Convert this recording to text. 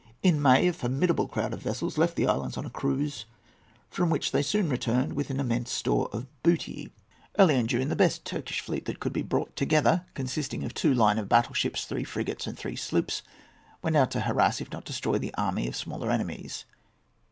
In May, a formidable crowd of vessels left the islands on a cruise, from which they soon returned with an immense store of booty. Early in June, the best Turkish fleet that could be brought together, consisting of two line of battle ships, three frigates, and three sloops, went out to harass, if not to destroy, the swarm of smaller enemies.